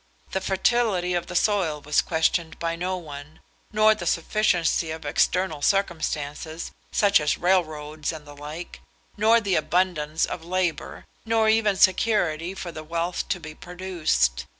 The fertility of the soil was questioned by no one, nor the sufficiency of external circumstances, such as railroads and the like; nor the abundance of labour; nor even security for the wealth to be produced.